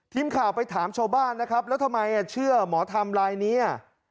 ทีมข่าวไปถามชาวบ้านนะครับแล้วทำไมเชื่อหมอทำลายนี้